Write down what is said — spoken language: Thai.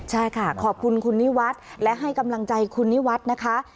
ใช่ค่ะขอบคุณคุณนิวัฒน์และให้กำลังใจคุณนิวัฒน์นะคะ